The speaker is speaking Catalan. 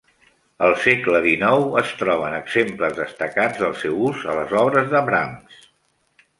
Al segle XIX es troben exemples destacats del seu ús a les obres de Brahms.